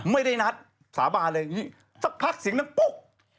ไม่ได้นัดสาบานเลยสักพักเสียงนั่งปุ๊บ